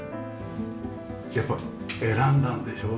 やっぱり選んだんでしょうね。